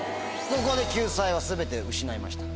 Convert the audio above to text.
ここで救済は全て失いました。